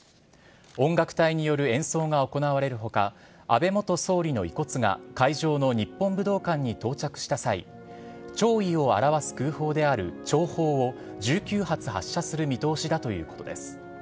音楽隊による演奏が行われるほか、安倍元総理の遺骨が会場の日本武道館に到着した際、弔意を表す空砲である弔砲を１９発発射する見通しだということです。